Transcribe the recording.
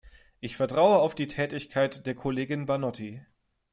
Ich vertraue auf die Tätigkeit der Kollegin Banotti.